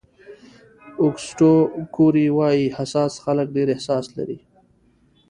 اوګسټو کوري وایي حساس خلک ډېر احساس لري.